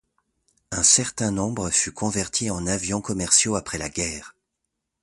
Un certain nombre fut converti en avions commerciaux après la guerre.